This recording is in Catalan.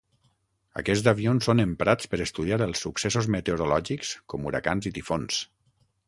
Aquests avions són emprats per estudiar els successos meteorològics com huracans i tifons.